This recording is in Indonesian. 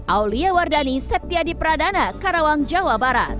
aulia wardani septiadi pradana karawang jawa barat